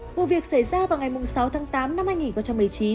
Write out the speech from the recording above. vụ việc xảy ra vào ngày sáu tháng tám năm hai nghìn một mươi chín